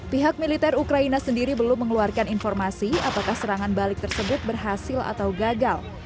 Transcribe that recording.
pihak militer ukraina sendiri belum mengeluarkan informasi apakah serangan balik tersebut berhasil atau gagal